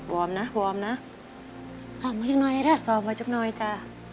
วอร์มนะนะสอมให้ยังน้อยเลยนะสอมไปจ๊ะจ๊ะ